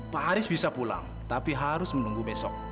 pak haris bisa pulang tapi harus menunggu besok